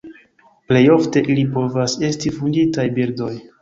Plej ofte ili povas esti fuĝintaj birdoj.